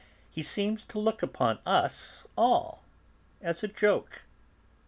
He seems to look upon us all as a joke."